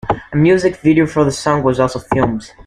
A music video for the song was also filmed.